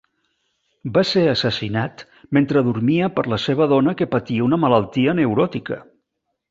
Va ser assassinat mentre dormia per la seva dona que patia una malaltia neuròtica.